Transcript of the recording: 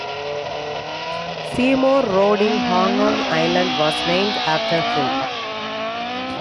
Seymour Road in Hong Kong Island was named after him.